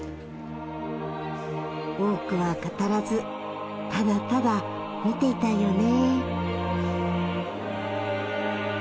多くは語らずただただ見ていたいよね。